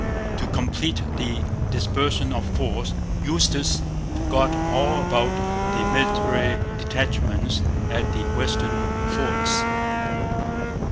To complete the dispersion of force, Eustis forgot all about the military detachments at the western forts.